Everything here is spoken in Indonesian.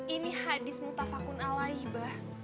ini hadis mutafakun alaih bah